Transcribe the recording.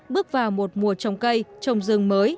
bước vào một mùa trồng cây trồng rừng mới